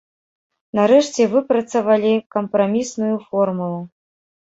Нарэшце выпрацавалі кампрамісную формулу.